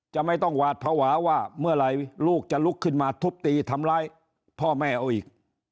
จะต้องหวาดภาวะว่าเมื่อไหร่ลูกจะลุกขึ้นมาทุบตีทำร้ายพ่อแม่เอาอีก